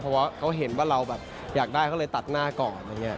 เพราะว่าเขาเห็นว่าเราแบบอยากได้เขาเลยตัดหน้าก่อนอะไรอย่างนี้